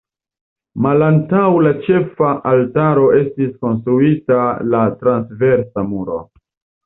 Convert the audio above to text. Malantaŭ la ĉefa altaro estis konstruita la transversa muro.